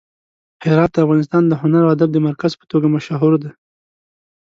هرات د افغانستان د هنر او ادب د مرکز په توګه مشهور دی.